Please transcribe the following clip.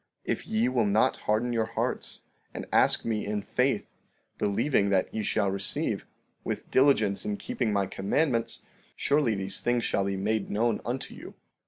—If ye will not harden your hearts, and ask me in faith, believing that ye shall receive, with diligence in keeping my commandments, surely these things shall be made known unto you.